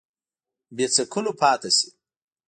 بې څکلو پاته شي